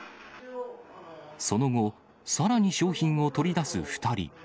その後、さらに商品を取り出す２人。